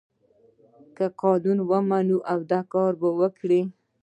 که قانون ومني او کار وکړي.